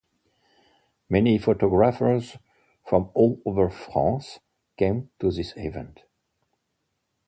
Many photographers from all over France came to this event.